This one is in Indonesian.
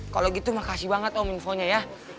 kalau gitu makasih banget om infonya ya